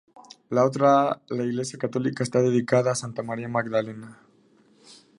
La otra, la iglesia católica, está dedicada a Santa María Magdalena.